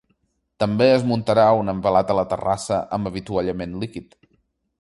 També és muntarà un envelat a la terrassa amb avituallament líquid.